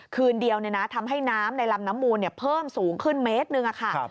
คืนเดียวทำให้น้ำในลำน้ำมูลเพิ่มสูงขึ้นเมตรหนึ่งค่ะ